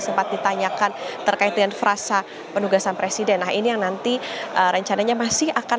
sempat ditanyakan terkait dengan frasa penugasan presiden nah ini yang nanti rencananya masih akan